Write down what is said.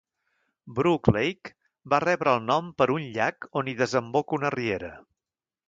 Brook Lake va rebre el nom per un llac on hi desemboca una riera.